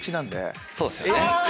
そうっすよね。